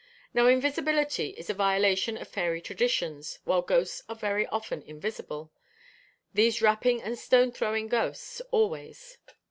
Now invisibility is a violation of fairy traditions, while ghosts are very often invisible these rapping and stone throwing ghosts, always.